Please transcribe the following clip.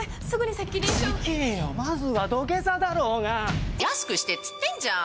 責任者よりもまずは土下座だろうが。安くしてって言ってんじゃん。